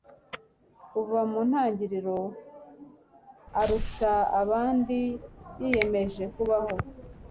kuva mu ntangiriro arusha abandi, yiyemeje kubaho